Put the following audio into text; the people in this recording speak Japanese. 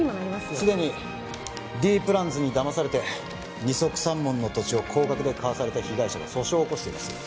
既にＤプランズにだまされて二束三文の土地を高額で買わされた被害者が訴訟を起こしています